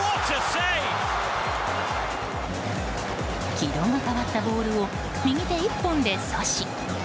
軌道が変わったボールを右手一本で阻止。